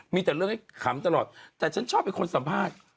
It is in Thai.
มีแต่เรื่องให้ขำตลอดแต่ฉันชอบเป็นคนสัมภาษณ์